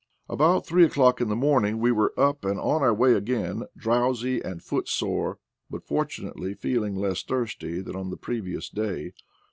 At three o'clock in the morning we were up and on our way again, drowsy and footsore, but for tunately feeling less thirsty than on the previous day.